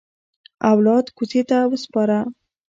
اولاد کوڅې ته وسپاره.